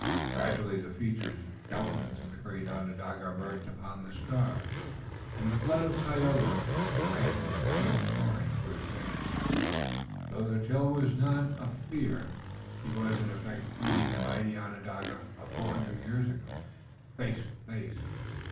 Gradually the features and countenance of the great Onondaga emerged upon the star, and the blood of Tayoga ran in a chill torrent through his veins, though the chill was not the chill of fear. He was, in effect, meeting the mighty Onondaga of four hundred years ago, face to face.